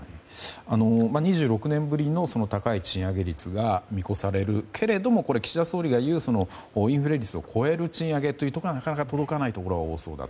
２６年ぶりの高い賃上げ率が見越されるけれども岸田総理が言うインフレ率を超える賃上げには届かないところが多そうだと。